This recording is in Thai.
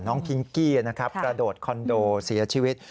พิงกี้นะครับกระโดดคอนโดเสียชีวิต